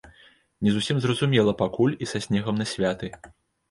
Не зусім зразумела пакуль і са снегам на святы.